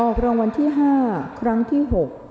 ออกรางวัลที่๕ครั้งที่๖